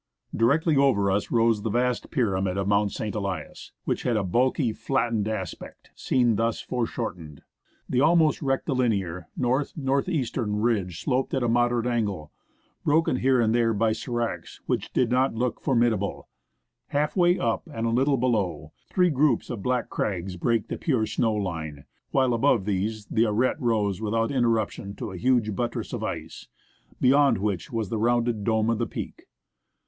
Directly over us rose the vast pyramid of Mount St. Elias, which had a bulky, flattened aspect, seen thus foreshortened. The almost rectilinear north north eastern ridge sloped at a moderate angle, broken here and there by s^mcs which did not look formid able ; half way up and a little below three groups of black crags break the pure snow line, while above these the aj^ele rose without interruption to a huge buttress of ice, beyond which was the rounded dome of the peak.